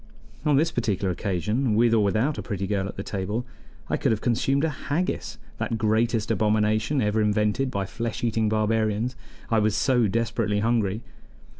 On this particular occasion, with or without a pretty girl at the table, I could have consumed a haggis that greatest abomination ever invented by flesh eating barbarians I was so desperately hungry.